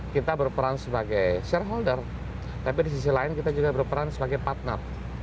kita berperan sebagai shareholder tapi di sisi lain kita juga berperan sebagai partner